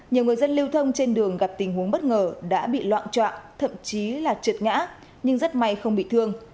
nhiều người dân lưu thông trên đường gặp tình huống bất ngờ đã bị loạn trọng thậm chí là trượt ngã nhưng rất may không bị thương